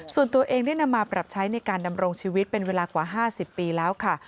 ส่วนตัวเองได้นำมาปรับใช้ในการดำรงชีวิตเป็นเวลากว่า๕๐ปีแล้วค่ะ